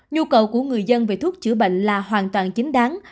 nhu cầu của người dân về thuốc chữa bệnh là hoàn toàn chính đáng